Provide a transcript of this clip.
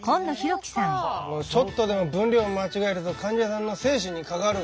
ちょっとでも分量を間違えると患者さんの生死に関わることだからね。